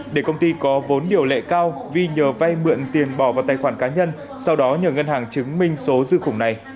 để công ty có vốn điều lệ cao vi nhờ vay mượn tiền bỏ vào tài khoản cá nhân sau đó nhờ ngân hàng chứng minh số dư khủng này